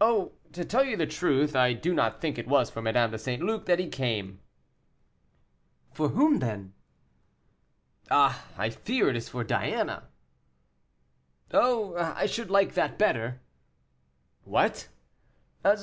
"Oh! to tell you the truth, I do not think it was for Madame de St. Luc that he came." "For whom, then?" "Ah! I fear it is for Diana." "Oh! I should like that better." "What?"